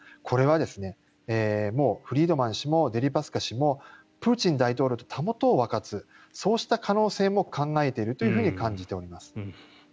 これはフリードマン氏もデリパスカ氏もプーチン大統領とたもとを分かつそうした可能性も考えていると感じております。